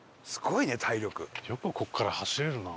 よくここから走れるな。